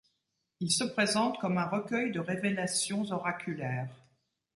Il se présente comme un recueil de révélations oraculaires.